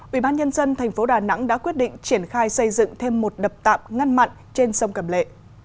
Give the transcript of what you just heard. ubnd tp đà nẵng đã quyết định triển khai xây dựng thêm một đập tạm ngăn mặn trên sông cầm lệ